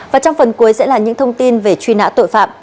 và trong phần cuối sẽ là những thông tin về truy nã tội phạm